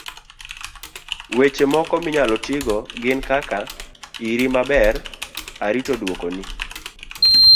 weche moko minyalo tigo gin kaka; iri maber, arito duoko ni